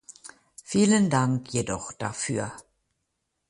Vielen Dank jedoch dafür.